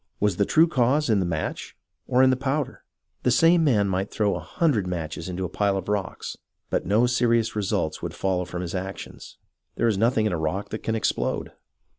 Was the true cause in the match or in the powder .' The same man might throw a hundred matches into a pile of rocks, but THE PEOPLE IN AMERICA 3 no serious results would follow from his actions. There is nothing in a rock that can explode.